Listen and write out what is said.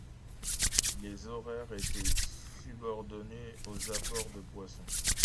Les horaires étaient subordonnés aux apports de poisson.